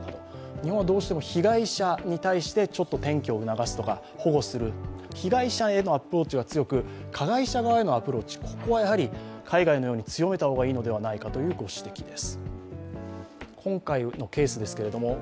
日本はどうしても被害者に対して転居を促すとか保護する、被害者へのアプローチは強く、加害者側へのアプローチ、ここは海外のように強めた方がよいのではないかというご指摘です。